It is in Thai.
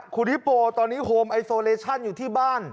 คุณฮิโปตอนนี้โฮมไอโซเลชั่นอยู่ที่บ้าน